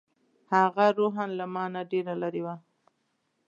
هغه روحاً له ما نه ډېره لرې وه.